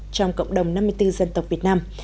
trong cộng đồng năm mươi bốn dân tộc việt nam